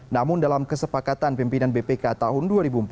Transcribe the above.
namun dalam kesepakatan pimpinan bpk tahun dua ribu empat belas